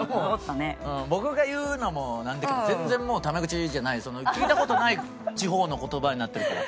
僕が言うのもなんだけど全然もうため口じゃない聞いた事ない地方の言葉になってるから。